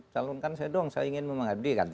calonkan saya dong saya ingin memang adil